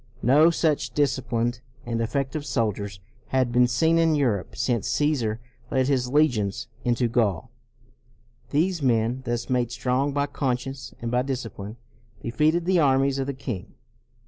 No such disciplined and effective soldiers had been seen in Europe since Caesar led his legions into Gaul. These men, thus made strong by con science and by discipline, defeated the armies of the king.